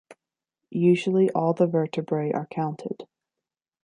Usually all the vertebrae are counted.